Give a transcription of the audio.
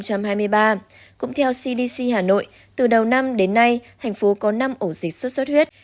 cũng theo cdc hà nội từ đầu năm đến nay thành phố có năm ổ dịch sốt xuất huyết